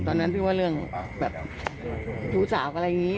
ตอนนั้นพี่ว่าเรื่องแบบชู้สาวอะไรอย่างนี้